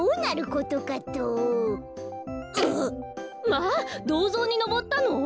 まあどうぞうにのぼったの？